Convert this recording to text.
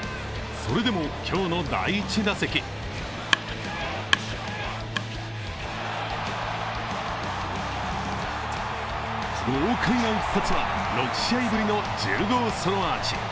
それでも今日の第１打席豪快な一発は６試合ぶりの１０号ソロアーチ。